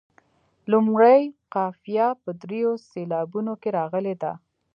لومړۍ قافیه په دریو سېلابونو کې راغلې ده.